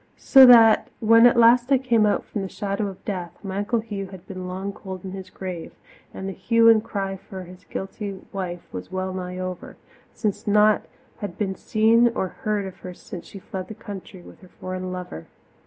So that when at last I came out from the shadow of death, my Uncle Hugh had been long cold in his grave, and the hue and cry for his guilty wife was well nigh over, since naught had been seen or heard of her since she fled the country with her foreign lover.